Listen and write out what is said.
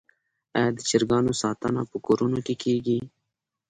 آیا د چرګانو ساتنه په کورونو کې کیږي؟